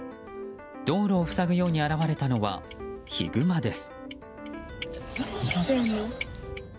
道路を塞ぐように現れたのはヒグマです。